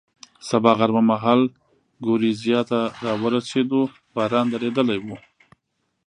سبا غرمه مهال ګورېزیا ته را ورسېدو، باران درېدلی و.